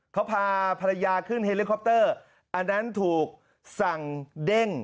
เขาพาภรรยาขึ้นเฮลิคอปเตอร์อันนั้นถูกสั่งเด้ง